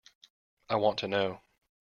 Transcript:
I want to know.